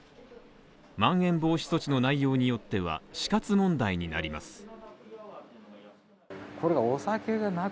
まん延防止措置の内容によっては死活問題になります。